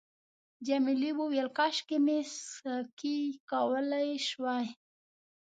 جميلې وويل:، کاشکې مې سکی کولای شوای.